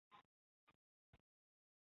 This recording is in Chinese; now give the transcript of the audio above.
如意草为堇菜科堇菜属的植物。